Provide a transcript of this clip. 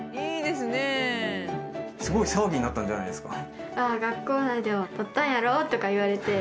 すごい騒ぎになったんじゃないですか？